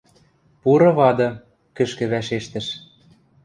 — Пуры вады, — кӹшкӹ вӓшештӹш.